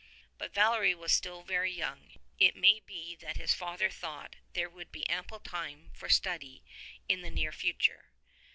But Valery was still very young, and it may be that his father thought there would be ample time for study in the near future.